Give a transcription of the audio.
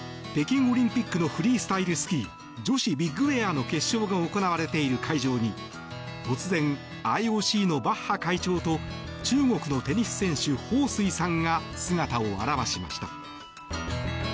北京オリンピックのフリースタイルスキー女子ビッグエアの決勝が行われている会場に突然、ＩＯＣのバッハ会長と中国のテニス選手ホウ・スイさんが姿を現しました。